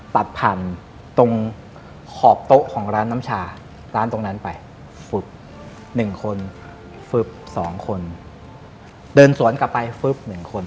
ตัดผ่านตรงขอบโต๊ะของร้านน้ำชาร้านตรงนั้นไป๑คน๒คนเดินสวนกลับไป๑คน